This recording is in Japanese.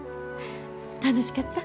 楽しかった？